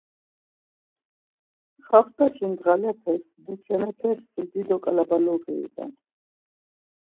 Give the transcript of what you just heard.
Xaftaşi ndğalepes dukyanepesti dido ǩalabaluği iven.